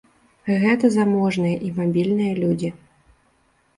Гэта заможныя і мабільныя людзі.